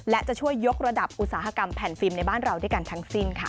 และจะช่วยยกระดับอุตสาหกรรมแผ่นฟิล์ในบ้านเราด้วยกันทั้งสิ้นค่ะ